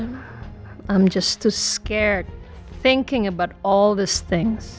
saya sangat takut berpikir tentang semua hal ini